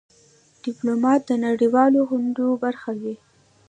ډيپلومات د نړېوالو غونډو برخه وي.